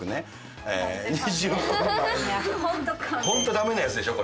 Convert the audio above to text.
ホントだめなやつでしょ？